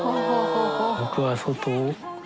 僕は外を）